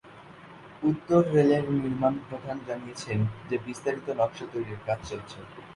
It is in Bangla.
উত্তর রেলের নির্মাণ প্রধান জানিয়েছেন, যে বিস্তারিত নকশা তৈরির কাজ চলছে।